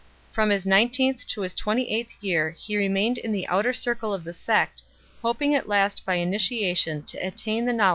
From his nineteenth to his twenty eighth year he remained in the outer circle of the sect, hoping at last by initiation to 1 Possidius, Vita S.